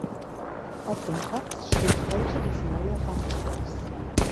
Auf dem Platz steht heute das neue Rathaus.